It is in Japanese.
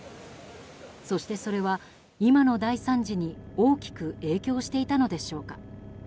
そして、それは今の大惨事に大きく影響していたのでしょうか。